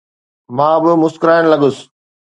مان به مسڪرائڻ لڳس.